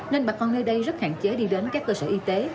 nên bà con nơi đây rất hạn chế đi đến các cơ sở y tế